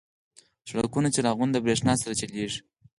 • د سړکونو څراغونه د برېښنا سره چلیږي.